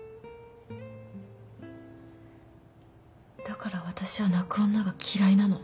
だから私は泣く女が嫌いなの。